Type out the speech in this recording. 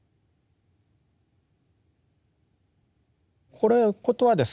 これのことはですね